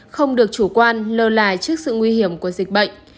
không được chủ quan lơ là trước sự nguy hiểm của dịch bệnh